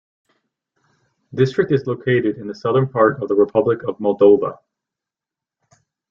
District is located in the southern part of the Republic of Moldova.